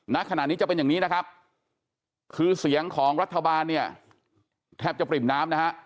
ณขณะนี้จะเป็นอย่างนี้นะครับคือเสียงของรัฐบาลเนี่ยแทบจะปริ่มน้ำนะฮะ